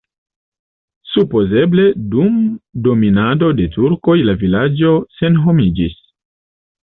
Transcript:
Supozeble dum dominado de turkoj la vilaĝo senhomiĝis.